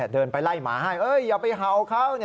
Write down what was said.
เดินไปไล่หมาให้อย่าไปเห่าเขา